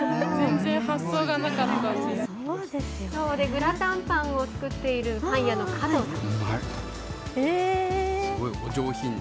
グラタンパンを作っているパン屋の加藤さん。